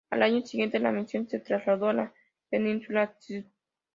Al año siguiente, la misión se trasladó a la península St.